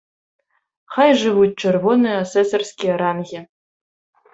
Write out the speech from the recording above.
Хай жывуць чырвоныя асэсарскія рангі!